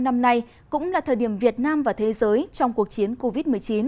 năm nay cũng là thời điểm việt nam và thế giới trong cuộc chiến covid một mươi chín